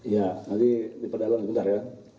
ya nanti diperdalam sebentar ya